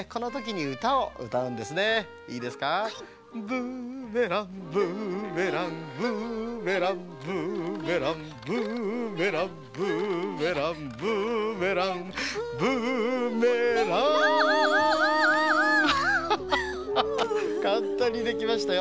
ブーメランブーメランブーメランブーメランブーメランブーメランブーメランブーメランハハハハかんたんにできましたよ。